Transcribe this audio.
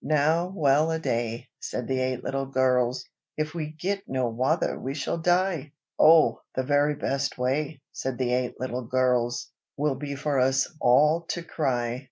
"Now well a day!" said the eight little gurrls, "If we git no wather we shall die!" "Oh! the very best way," said the eight little gurrls; "Will be for us ahl to cry!"